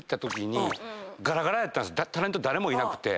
タレント誰もいなくて。